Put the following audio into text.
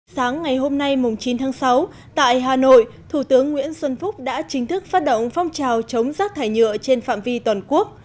sáng ngày hôm nay chín tháng sáu tại hà nội thủ tướng nguyễn xuân phúc đã chính thức phát động phong trào chống rác thải nhựa trên phạm vi toàn quốc